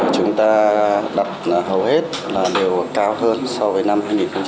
chúng ta đạt hầu hết đều cao hơn so với năm hai nghìn một mươi sáu